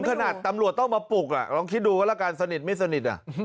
ก็ถึงขนาดตำรวจต้องมาปลูกล่ะลองคิดดูกันละกันสนิทไม่สนิทอะ